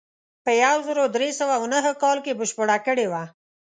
په یو زر درې سوه نهه کال کې بشپړه کړې وه.